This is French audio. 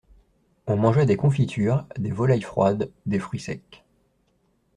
On mangea des confitures, des volailles froides, des fruits secs.